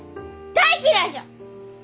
大嫌いじゃ！